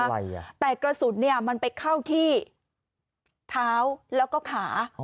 อะไรอ่ะแต่กระสุนเนี่ยมันไปเข้าที่เท้าแล้วก็ขา